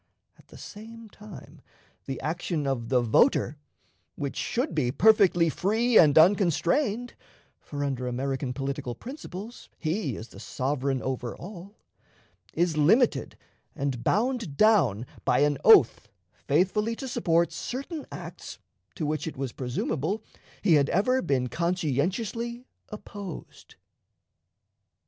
At the same time, the action of the voter, which should be perfectly free and unconstrained (for, under American political principles, he is the sovereign over all), is limited and bound down by an oath faithfully to support certain acts to which it was presumable he had ever been conscientiously opposed.